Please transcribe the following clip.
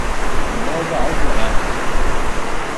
Nova Alvorada